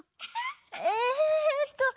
えっと。